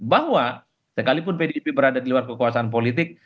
bahwa sekalipun pdip berada di luar kekuasaan politik